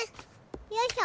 よいしょ！